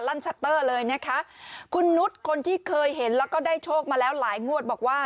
ชัตเตอร์เลยนะคะคุณนุษย์คนที่เคยเห็นแล้วก็ได้โชคมาแล้วหลายงวดบอกว่า